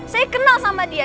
saya kenal sama dia